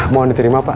mohon diterima pak